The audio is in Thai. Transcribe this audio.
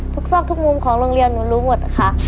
ซอกทุกมุมของโรงเรียนหนูรู้หมดค่ะ